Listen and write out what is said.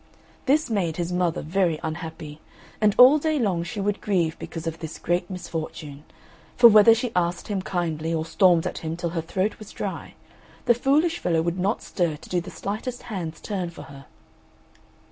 This made his mother very unhappy, and all day long she would grieve because of this great misfortune. For whether she asked him kindly, or stormed at him till her throat was dry, the foolish fellow would not stir to do the slightest hand's turn for her.